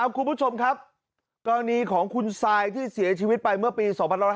คุณผู้ชมครับกรณีของคุณซายที่เสียชีวิตไปเมื่อปี๒๕๕๙